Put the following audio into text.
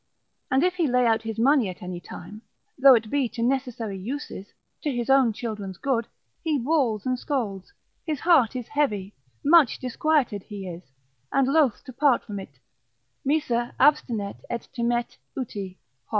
and if he lay out his money at any time, though it be to necessary uses, to his own children's good, he brawls and scolds, his heart is heavy, much disquieted he is, and loath to part from it: Miser abstinet et timet uti, Hor.